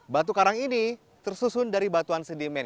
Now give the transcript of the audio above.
batu karang ini tersusun dari batuan sedimen